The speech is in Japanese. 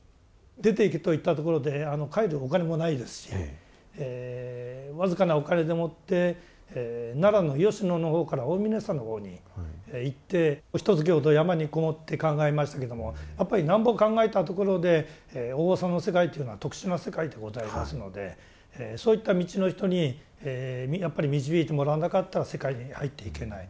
出て行けといったところで帰るお金もないですし僅かなお金でもって奈良の吉野のほうから大峰山のほうに行ってひとつきほど山に籠もって考えましたけどもやっぱりなんぼ考えたところでお坊さんの世界というのは特殊な世界でございますのでそういった道の人にやっぱり導いてもらわなかったら世界に入っていけない。